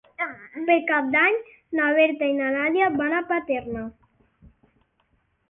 Per Cap d'Any na Berta i na Nàdia van a Paterna.